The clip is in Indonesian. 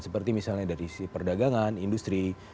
seperti misalnya dari perdagangan industri